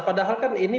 padahal kan ini